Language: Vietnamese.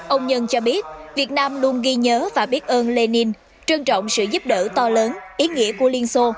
ông nhân cho biết việt nam luôn ghi nhớ và biết ơn lê ninh trân trọng sự giúp đỡ to lớn ý nghĩa của liên xô